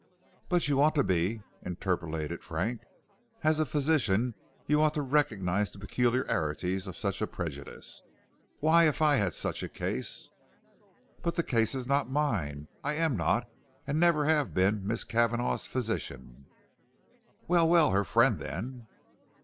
"But you ought to be," interpolated Frank. "As a physician you ought to recognize the peculiarities of such a prejudice. Why, if I had such a case " "But the case is not mine. I am not and never have been Miss Cavanagh's physician." "Well, well, her friend then."